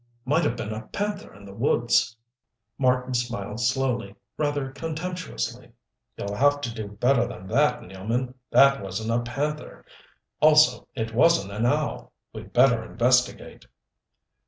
Might have been a panther in the woods." Marten smiled slowly, rather contemptuously. "You'll have to do better than that, Nealman. That wasn't a panther. Also it wasn't an owl. We'd better investigate."